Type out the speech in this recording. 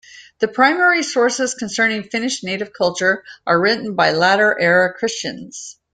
The primary sources concerning Finnish native culture are written by latter-era Christians.